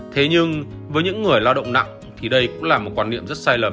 thế nhưng với những người lao động nặng thì đây cũng là một quan niệm rất sai lầm